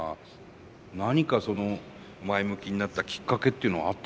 何かその前向きになったきっかけっていうのはあったのかしら？